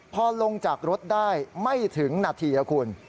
พอลงจากรถได้ไม่ถึงนาทีนะคุณ